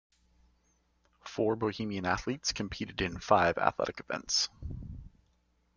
Four Bohemian athletes competed in five athletics events.